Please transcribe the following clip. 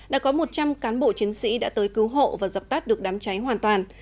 đã có một trăm linh cán bộ chiến sĩ đã tới cứu hộ và dập tắt được đám cháy hoàn toàn